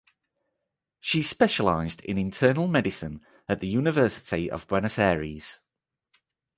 She specialized in internal medicine at the University of Buenos Aires.